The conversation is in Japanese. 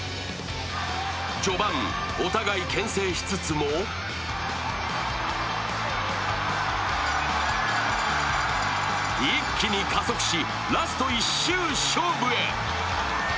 序盤、お互いけん制しつつも一気に加速し、ラスト１周勝負へ。